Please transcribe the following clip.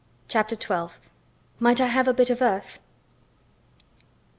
CHAPTER XII. "MIGHT I HAVE A BIT OF EARTH?"